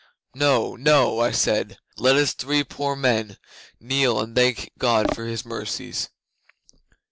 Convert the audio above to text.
'"No no!" I said. "Let us three poor men kneel and thank God for His mercies."